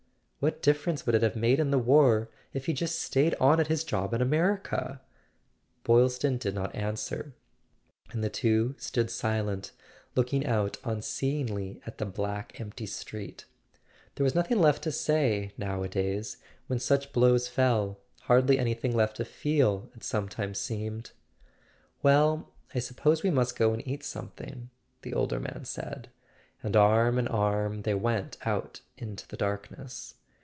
"What difference would it have made in the war, if he'd just stayed on at his job in America?" Boylston did not answer, and the two stood silent, looking out unseeingly at the black empty street. There was nothing left to say, nowadays, when such blows fell; hardly anything left to feel, it sometimes seemed. [ 355 ] A SON AT THE FRONT "Well, I suppose we must go and eat something," the older man said; and arm in arm they went out into the darkness.